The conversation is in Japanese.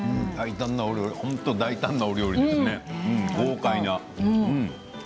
本当に大胆なお料理ですね豪快な。